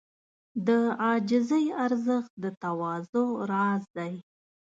د عاجزۍ ارزښت د تواضع راز دی.